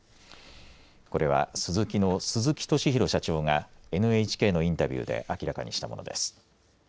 これはスズキの鈴木俊宏社長がＮＨＫのインタビューで明らかにしたものです。